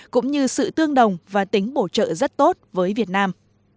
cũng như sự tương đồng và tính bổ trợ rất tốt với việt nam